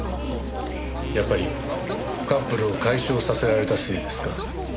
やっぱりカップルを解消させられたせいですか？